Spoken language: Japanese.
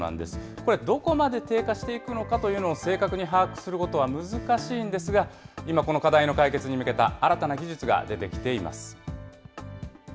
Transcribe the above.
これ、どこまで低下していくのかというのを正確に把握することは難しいんですが、今、この課題の解決に向けた新たな技術が出てきています。